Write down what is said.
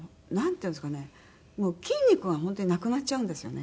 筋肉が本当になくなっちゃうんですよね